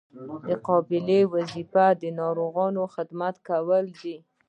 د قابله ګۍ وظیفه د ناروغانو خدمت کول دي.